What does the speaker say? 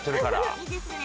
いいですね。